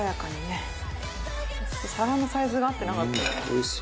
ちょっと皿のサイズが合ってなかった。